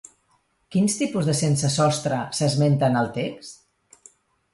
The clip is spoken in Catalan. Quins tipus de sense-sostre s'esmenten al text?